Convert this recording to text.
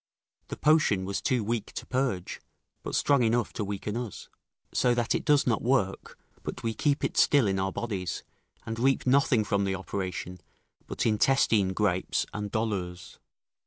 The potion was too weak to purge, but strong enough to weaken us; so that it does not work, but we keep it still in our bodies, and reap nothing from the operation but intestine gripes and dolours.